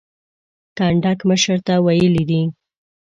کنډک مشر ته ویلي دي.